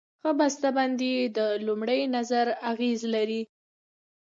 ښه بسته بندي د لومړي نظر اغېز لري.